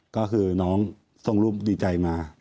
ก็คือน้องส่งรูปดีใจมา